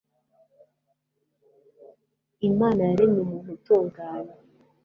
imana yaremye umuntu utunganye